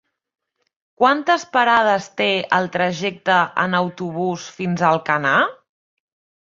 Quantes parades té el trajecte en autobús fins a Alcanar?